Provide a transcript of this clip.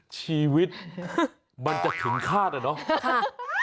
ชีวิตมันจะถึงฆาตเนี่ยเนาะ